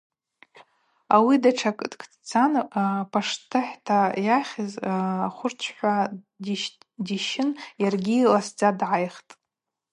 Ауи датша кыткӏ дцан, паштыхӏта йахъыз хвырчвхӏва дищын йаргьи ласдза дгӏайхтӏ.